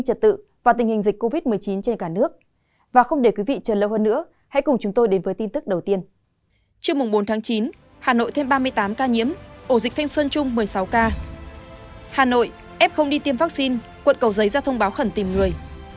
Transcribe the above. hà nội f đi tiêm vaccine quận cầu giấy ra thông báo khẩn tìm người